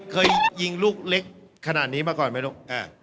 เคยยิงลูกเล็กขนาดนี้มาก่อนไหมลูก